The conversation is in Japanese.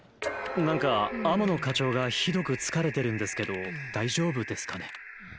何か天野課長がひどく疲れてるんですけど大丈夫ですかね。